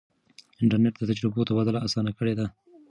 انټرنیټ د تجربو تبادله اسانه کړې ده.